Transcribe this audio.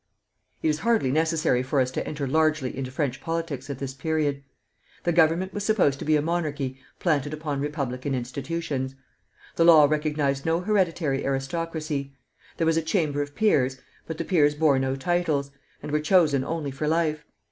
It is hardly necessary for us to enter largely into French politics at this period. The government was supposed to be a monarchy planted upon republican institutions. The law recognized no hereditary aristocracy. There was a chamber of peers, but the peers bore no titles, and were chosen only for life.